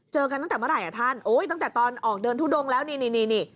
กันตั้งแต่เมื่อไหร่อ่ะท่านโอ้ยตั้งแต่ตอนออกเดินทุดงแล้วนี่นี่